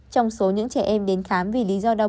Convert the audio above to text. trong số những trẻ em đến khám vì lý do đau